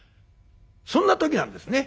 そんな時なんですね。